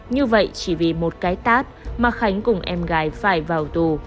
như vậy chỉ vì một cái tát mà khánh cùng em gái phải vào tù